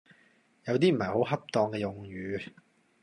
有啲唔係好恰當嘅用語